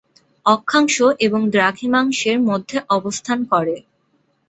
অক্ষাংশ এবং দ্রাঘিমাংশের মধ্যে অবস্থান করে।